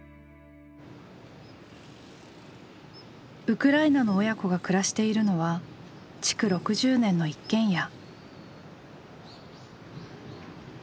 ウクライナの親子が暮らしているのは築６０年の一軒家。